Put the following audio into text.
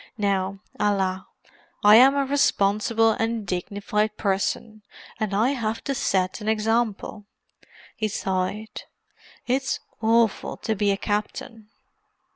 "Now, alas, I am a responsible and dignified person, and I have to set an example." He sighed. "It's awful to be a captain!"